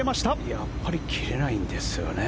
やっぱり切れないんですよね。